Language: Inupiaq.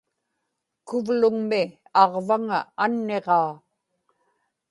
kuvluŋmi aġvaŋa anniġaa